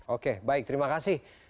oke baik terima kasih